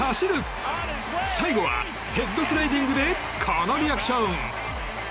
最後はヘッドスライディングでこのリアクション。